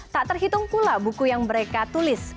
tak terhitung pula buku yang mereka tulis